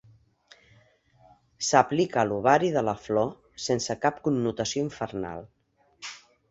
S'aplica a l'ovari de la flor, sense cap connotació infernal.